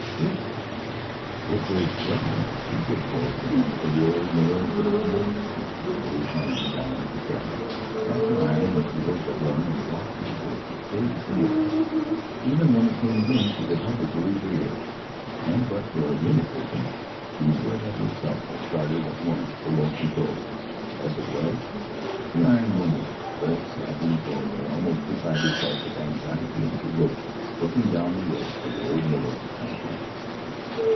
"He'll come." It was well she did blow again, for the old miller was not at home and old Hon, down at the cabin, dropped her iron when she heard the horn and walked to the door, dazed and listening. Even when it came again she could hardly believe her ears, and but for her rheumatism, she would herself have started at once for Lonesome Cove. As it was, she ironed no more, but sat in the doorway almost beside herself with anxiety and bewilderment, looking down the road for the old miller to come home.